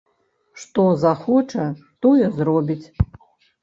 Што захоча, тое зробіць.